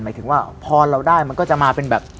หมายถึงว่าพอเราได้มันก็จะมาเป็นแบบ